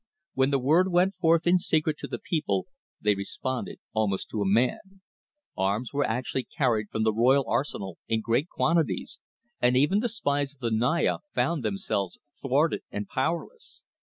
"When the word went forth in secret to the people, they responded almost to a man. Arms were actually carried from the royal arsenal in great quantities, and even the spies of the Naya found themselves thwarted and powerless.